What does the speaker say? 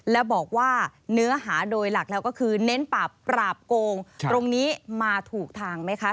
แล้วบอกว่าเนื้อหาโดยหลักแล้วก็คือเน้นปราบปราบโกงตรงนี้มาถูกทางไหมคะ